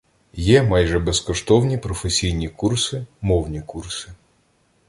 Є майже безкоштовні професійні курси, мовні курси